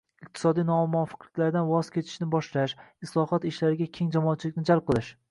iqtisodiy nomuvofiqliklardan voz kechishni boshlash, islohot ishlariga keng jamoatchilikni jalb qilish